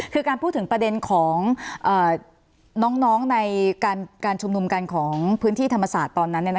คือการพูดถึงประเด็นของน้องในการชุมนุมกันของพื้นที่ธรรมศาสตร์ตอนนั้น